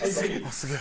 すげえ。